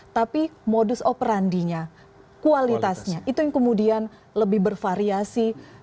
tapi modus operandinya kualitasnya itu yang kemudian lebih bervariasi